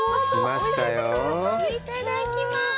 いっただきます！